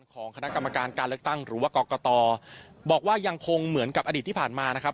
ของคณะกรรมการการเลือกตั้งหรือว่ากรกตบอกว่ายังคงเหมือนกับอดีตที่ผ่านมานะครับ